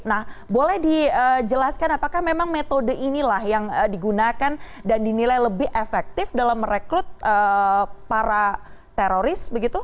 nah boleh dijelaskan apakah memang metode inilah yang digunakan dan dinilai lebih efektif dalam merekrut para teroris